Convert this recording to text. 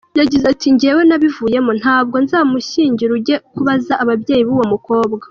Yagize ati “Njyewe nabivuyemo, ntabwo nzamushyingira, ujye kubaza ababyeyi b’uwo mukobwa.